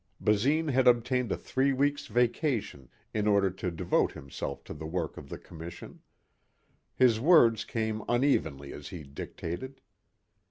Basine had obtained a three weeks' vacation in order to devote himself to the work of the commission. His words came unevenly as he dictated.